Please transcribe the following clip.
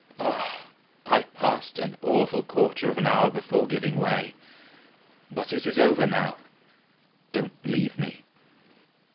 "Ah! I passed an awful quarter of an hour before giving way. But it is over now. Don't leave me."